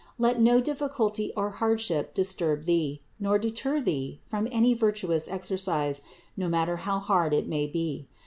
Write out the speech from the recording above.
Let no difficulty or hardship disturb thee, nor deter thee from any virtuous exercise, no matter how hard it may be.